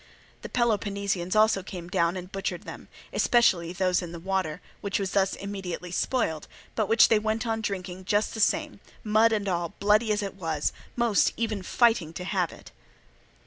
The Peloponnesians also came down and butchered them, especially those in the water, which was thus immediately spoiled, but which they went on drinking just the same, mud and all, bloody as it was, most even fighting to have it.